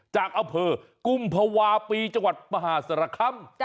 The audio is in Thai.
จากอเผอร์กุมภวาปีจังหวัดมหาสรคัม